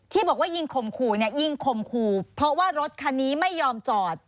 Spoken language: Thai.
ที่บอกว่ายิงขมกูยิ่งขมคูเพราะว่ารถคันนี้ไม่ยอมจอด